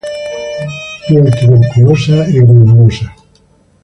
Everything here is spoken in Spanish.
Piel tuberculosa y granulosa.